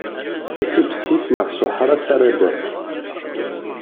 Mačči bessif neɣ s uḥras ara d-tas.